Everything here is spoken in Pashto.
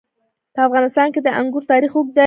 په افغانستان کې د انګور تاریخ اوږد دی.